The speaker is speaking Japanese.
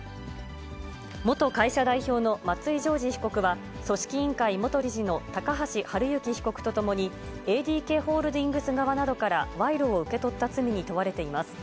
元会社代表の松井譲二被告は、組織委員会元理事の高橋治之被告と共にＡＤＫホールディングス側などから賄賂を受け取った罪に問われています。